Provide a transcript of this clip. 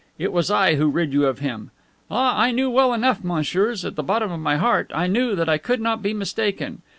It was I who rid you of him. Ah, I knew well enough, messieurs, in the bottom of my heart I knew that I could not be mistaken.